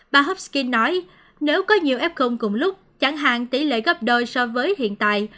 bà hobskin nói nếu có nhiều f cùng lúc chẳng hạn tỷ lệ gấp đôi so với hiện tại